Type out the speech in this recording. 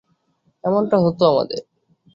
এমনটা হতো আমাদের।